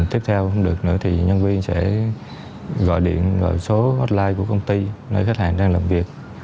tiếp theo không được nữa thì nhân viên sẽ gọi điện vào số hotline của công ty nơi khách hàng đang làm việc